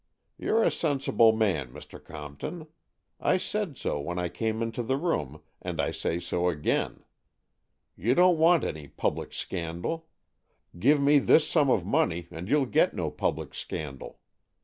You're a sensible man, Mr. Comp ton. I said so when I came into the room, and I say so again. You don't want any public scandal. Give me this sum of money, and you'll get no public scandal.